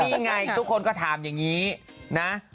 นี่ไงทุกคนก็ถามอย่างนี้นะ